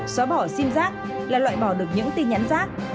xóa bỏ sim giác là loại bỏ được những tin nhắn rác